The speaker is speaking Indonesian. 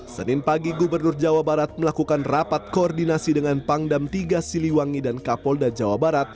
senin pagi gubernur jawa barat melakukan rapat koordinasi dengan pangdam tiga siliwangi dan kapolda jawa barat